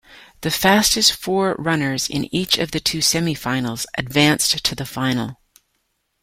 The fastest four runners in each of the two semifinals advanced to the final.